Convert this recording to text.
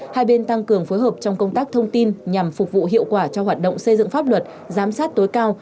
hai bên tăng cường phối hợp trong công tác thông tin nhằm phục vụ hiệu quả cho hoạt động xây dựng pháp luật giám sát tối cao